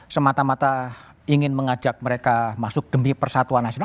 semata mata ingin mengajak mereka masuk demi persatuan nasional